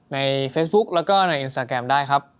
ในเฟซบุ๊กแล้วก็ในอินสตาแกรมได้ครับ